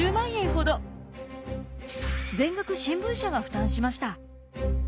全額新聞社が負担しました。